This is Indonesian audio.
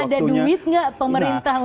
dan ada duit nggak pemerintah untuk